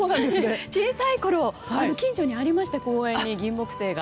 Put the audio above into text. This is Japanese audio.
小さいころ近所の公園にありましてギンモクセイが。